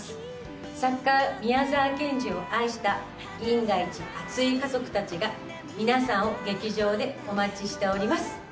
作家宮沢賢治を愛した銀河一熱い家族たちが皆さんを劇場でお待ちしております。